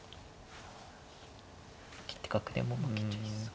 切って角でも負けちゃいそう。